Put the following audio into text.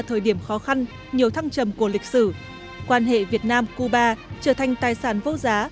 thời điểm khó khăn nhiều thăng trầm của lịch sử quan hệ việt nam cuba trở thành tài sản vô giá